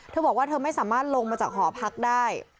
เธอบอกว่าเธอไม่สามารถลงมาจากหอพักได้